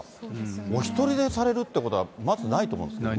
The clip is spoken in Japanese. お一人でされるってことはまずないと思うんですよね。